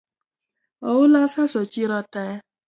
Oula osaso chiro tee